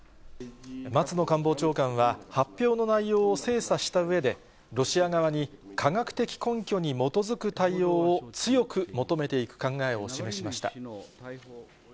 松野官房長官は、発表の内容を精査したうえで、ロシア側に科学的根拠に基づく対応を強く求めていく考えを示しました。